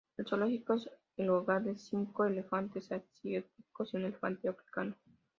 El zoológico es el hogar de cinco elefantes asiáticos y un elefante africano.